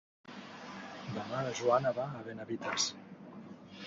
Demà na Joana va a Benavites.